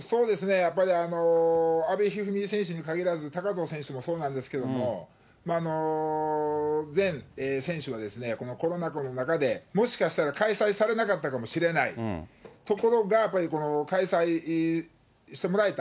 やっぱり阿部一二三選手に限らず、高藤選手もそうなんですけれども、全選手がコロナ禍の中で、もしかしたら開催されなかったかもしれない、ところが、開催してもらえた。